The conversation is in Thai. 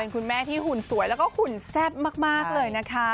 คุณแม่ที่หุ่นสวยแล้วก็หุ่นแซ่บมากเลยนะคะ